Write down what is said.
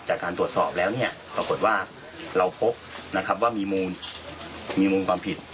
จากการตรวจสอบแล้วปรากฏว่าเราพบว่ามีมูลความผิด